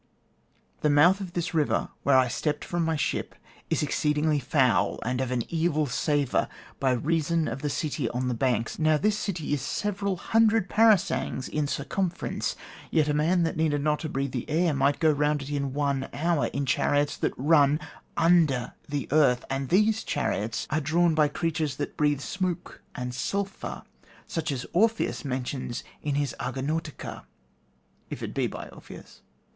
The mouth of this river, where I stepped out from my ship, is exceedingly foul and of an evil savour by reason of the city on the banks. Now this city is several hundred parasangs in circumference. Yet a man that needed not to breathe the air might go round it in one hour, in chariots that run under the earth; and these chariots are drawn by creatures that breathe smoke and sulphur, such as Orpheus mentions in his 'Argonautica,' if it be by Orpheus.